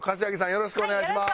よろしくお願いします。